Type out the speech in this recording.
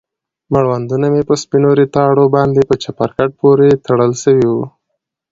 مړوندونه مې په سپينو ريتاړو باندې په چپرکټ پورې تړل سوي وو.